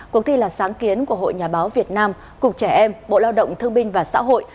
cuộc thi là sáng kiến của hội nhà báo việt nam cục trẻ em bộ lao động thương binh và xã hội